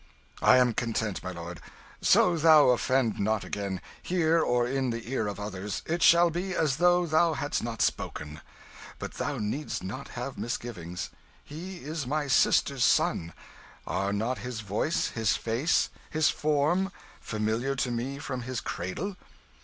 "I am content, my lord. So thou offend not again, here or in the ears of others, it shall be as though thou hadst not spoken. But thou need'st not have misgivings. He is my sister's son; are not his voice, his face, his form, familiar to me from his cradle?